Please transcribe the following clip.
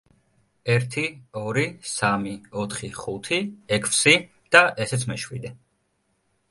ერთი, ორი, სამი, ოთხი, ხუთი, ექვსი და ესეც მეშვიდე.